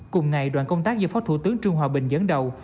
cùng ngày đoàn công tác do phó thủ tướng trương hòa bình dẫn đầu